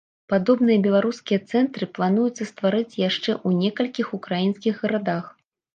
Падобныя беларускія цэнтры плануецца стварыць яшчэ ў некалькіх украінскіх гарадах.